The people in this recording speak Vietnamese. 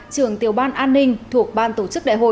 trưởng tiểu ban an ninh thuộc ban tổ chức đại hội